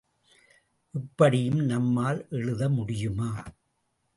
இப்படியும் நம்மால் எழுத முடியுமா?